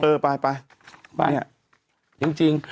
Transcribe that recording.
เออไปไปนี่อะจริงจริง